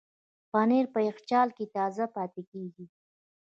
پنېر په یخچال کې تازه پاتې کېږي.